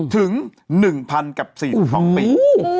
ถึง๑๐๐๐กับ๔๒ปี